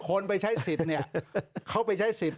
คนไปใช้สิทธิ์เนี่ยเขาไปใช้สิทธิ์